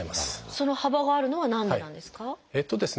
その幅があるのは何でなんですか？